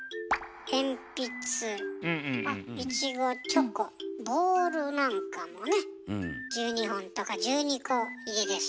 鉛筆いちごチョコボールなんかもね１２本とか１２個入りです。